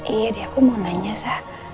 iya deh aku mau nanya sah